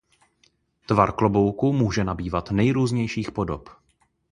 Tvar klobouku může nabývat nejrůznějších podob.